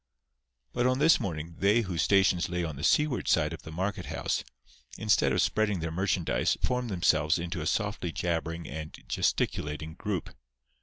But on this morning they whose stations lay on the seaward side of the market house, instead of spreading their merchandise formed themselves into a softly jabbering and gesticulating group.